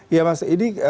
ya mas ini